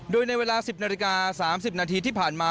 โดยในเวลา๑๐นาฬิกา๓๐นาทีที่ผ่านมา